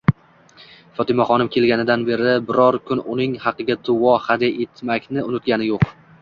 Fotimaxonim kelganidan beri biror kun uning haqiga duoi hadya etmakni unutgani yo'q.